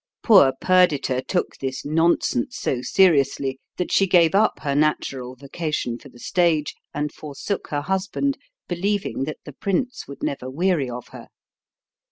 Poor Perdita took this nonsense so seriously that she gave up her natural vocation for the stage, and forsook her husband, believing that the prince would never weary of her.